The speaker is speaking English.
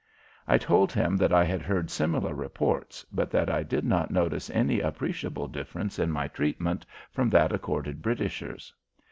I told him that I had heard similar reports, but that I did not notice any appreciable difference in my treatment from that accorded Britishers.